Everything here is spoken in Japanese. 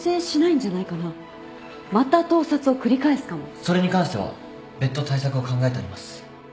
それに関しては別途対策を考えてあります。